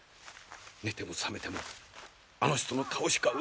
寝ても覚めてもあの人の顔しか浮かばぬ。